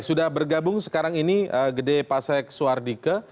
sudah bergabung sekarang ini gede pasek suardike